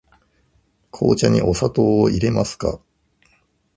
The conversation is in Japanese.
紅茶にお砂糖をいれますか。